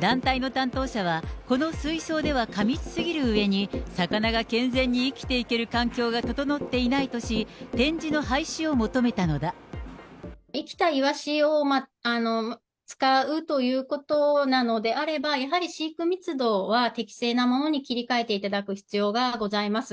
団体の担当者は、この水槽では過密すぎるうえに、魚が健全に生きていける環境が整っていないとし、生きたイワシを使うということなのであれば、やはり飼育密度は適正なものに切り替えていただく必要がございます。